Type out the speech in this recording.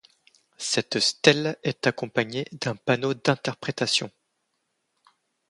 Cette stèle est accompagnée d'un panneau d'interprétation.